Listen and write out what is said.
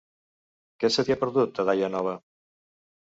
Què se t'hi ha perdut, a Daia Nova?